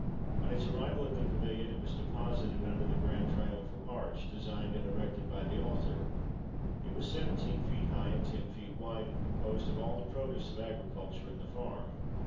On its arrival at the pavilion it was deposited under the grand triumphal arch, designed and erected by the author; it was 17 feet high, and 10 feet wide, and composed of all the produce of agriculture and the farm.